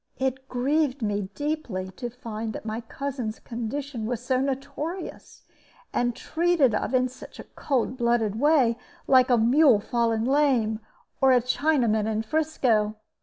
It grieved me deeply to find that my cousin's condition was so notorious, and treated of in such a cold blooded way, like a mule fallen lame, or a Chinaman in Frisco.